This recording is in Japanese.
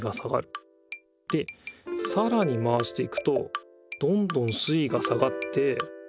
でさらに回していくとどんどん水いが下がって。